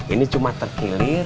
ini cuma terkilir